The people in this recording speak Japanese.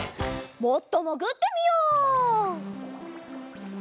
もっともぐってみよう！